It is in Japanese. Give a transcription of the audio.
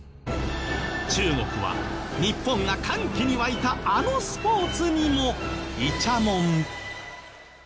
中国は日本が歓喜に沸いたあのスポーツにもイチャモン。